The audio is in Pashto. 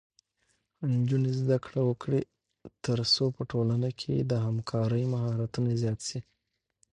نجونې زده کړه وکړي ترڅو په ټولنه کې د همکارۍ مهارتونه زیات شي.